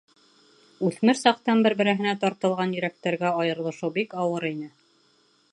Үҫмер саҡтан бер-береһенә тартылған йөрәктәргә айырылышыу бик ауыр ине.